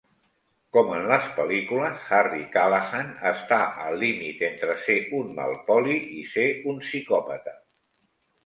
Com en les pel·lícules, Harry Callahan està al límit entre ser un mal poli i ser un psicòpata.